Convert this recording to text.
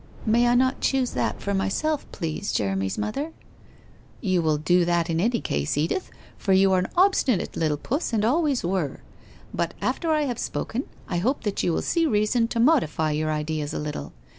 'May I not choose that for myself, please, Jeremy's mother ?'' You will do that in any case, Edith, for you are an obstinate little puss, and always were. But after I have spoken, I hope that you will see reason to modify your ideas a little?